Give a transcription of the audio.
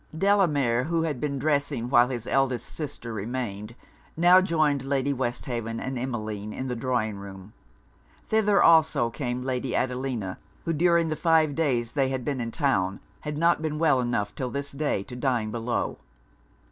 Delamere, who had been dressing while his eldest sister remained, now joined Lady Westhaven and Emmeline in the drawing room. Thither also came Lady Adelina; who, during the five days they had been in town had not been well enough till this day to dine below.